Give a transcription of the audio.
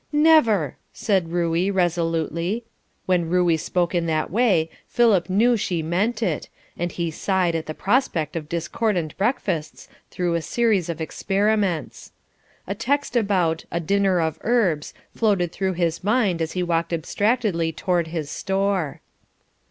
"Never!" said Ruey, resolutely. When Ruey spoke in that way, Philip knew she meant it, and he sighed at the prospect of discordant breakfasts through a series of experiments. A text about "A dinner of herbs" floated through his mind as he walked abstractedly toward his store.